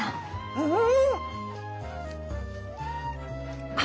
うん。